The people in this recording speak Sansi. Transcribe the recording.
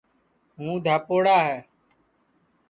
ہُوں دھاپوڑا ہے